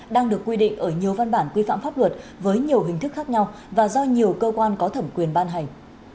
đang được quy định ở nhiều văn bản quy phạm pháp luật với nhiều hình thức khác nhau và do nhiều cơ quan có thẩm quyền ban hành